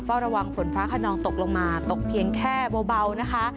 เฝ้าระวังฝนฟ้าขนองตกลงมาตกเพียงแค่เบานะคะ